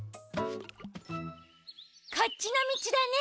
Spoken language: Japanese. こっちのみちだね。